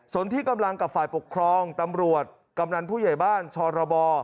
ส่วนที่กำลังกับฝ่ายปกครองตำรวจกำนันผู้ใหญ่บ้านชรบ